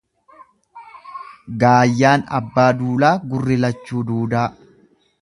Gaayyaan abbaa duulaa garri lachuu duudaa.